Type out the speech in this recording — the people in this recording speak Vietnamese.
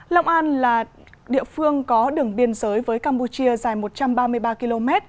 long an là địa phương có đường biên giới với campuchia dài một trăm ba mươi ba km